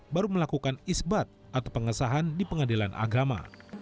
baru melakukan isbat atau pengesahan di pengadilan agama